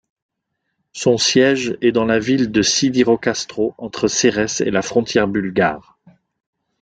Son siège est dans la ville de Sidirokastro entre Serrès et la frontière bulgare.